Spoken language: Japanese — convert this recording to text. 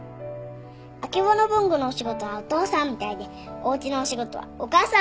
「あけぼの文具のお仕事はお父さんみたいでおうちのお仕事はお母さんみたいです」